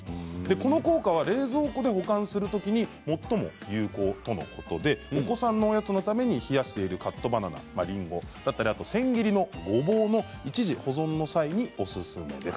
この効果は冷蔵庫で保管するときに最も有効とのことでお子さんのおやつのために冷やしているカットバナナやりんご千切りのごぼうの一時保存の際におすすめです。